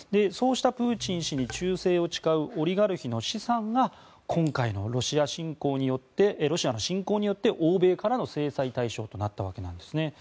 そうしたプーチン氏に忠誠を誓うオリガルヒの資産が今回のロシアの侵攻によって欧米からの制裁対象となったわけなんです。